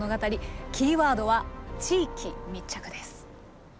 キーワードは「地域密着」です。